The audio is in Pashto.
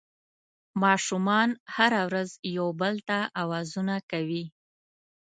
ماشومان هره ورځ یو بل ته اوازونه کوي